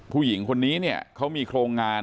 ผู้หญิงคนนี้เนี่ยเขามีโครงงาน